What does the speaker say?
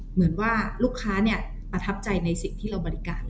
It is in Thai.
เหมือนว่าลูกค้าประทับใจในสิ่งที่เราบริการ